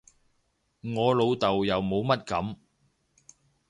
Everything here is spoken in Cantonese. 我老豆又冇乜噉